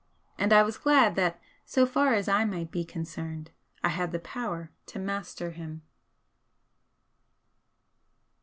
And I was glad that so far as I might be concerned, I had the power to master him.